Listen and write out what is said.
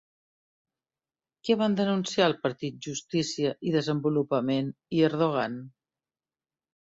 Què van denunciar el Partit Justícia i Desenvolupament i Erdogan?